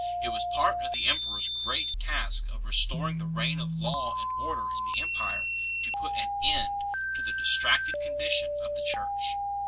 It was part of the emperor s great task of restoring the reign of law and order in the empire to put an end to the distracted condition of the Church.